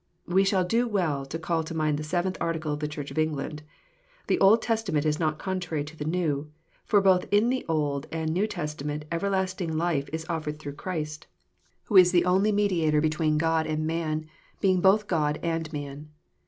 We shall do well to call to mind the Seventh Article of the Church of England :" The Old Testament is not contrary to the New : for both in the Old and New Testament everlasting life is offered through Christ, who is JOHN, CHAP. Yin. 125 the only Mediator between God and man, being both God and man.